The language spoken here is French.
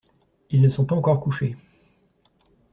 Ils ne sont pas encore couchés.